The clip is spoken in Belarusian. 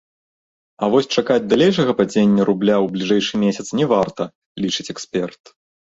А вось чакаць далейшага падзення рубля ў бліжэйшы месяц не варта, лічыць эксперт.